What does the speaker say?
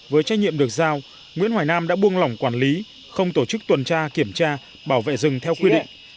với trách nhiệm được giao nguyễn hoài nam đã buông lỏng quản lý không tổ chức tuần tra kiểm tra bảo vệ rừng theo quy định